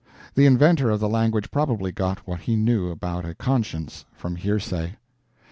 The inventor of the language probably got what he knew about a conscience from hearsay.